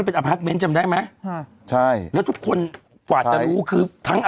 เป็นอพาร์ทเมนต์จำได้ไหมค่ะใช่แล้วทุกคนกว่าจะรู้คือทั้ง